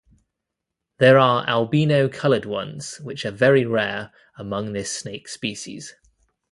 There are albino-colored ones which are very rare among this snake species.